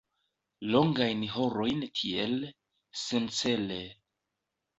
Longajn horojn tiel, sencele.